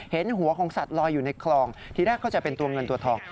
เห็นหัวของสัตว์ลอยอยู่ในคลองทีแรกเข้าใจเป็นตัวเงินตัวทอง